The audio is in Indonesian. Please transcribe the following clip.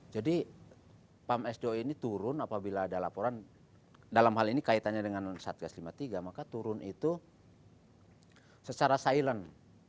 jadi pam sdo ini turun apabila ada laporan dalam hal ini kaitannya dengan satgas lima tb maka turun itu secara silent